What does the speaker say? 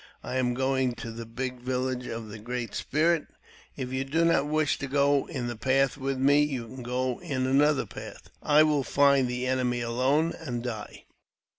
I am going to the big village of the Great Spirit. If you do not wish to go in the path with me, you can go in another path ; I will find the enemy alone, and die."